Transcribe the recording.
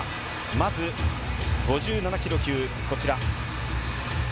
まず５７キロ級、こちら。